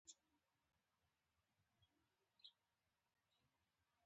د تاریخ له ځوانو شاګردانو سره مرسته کولای شي.